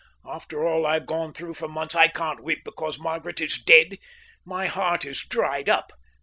After all I've gone through for months, I can't weep because Margaret is dead. My heart is dried up.